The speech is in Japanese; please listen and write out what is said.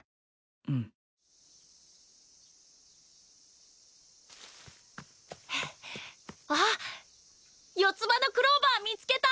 うんあっ四つ葉のクローバー見つけた！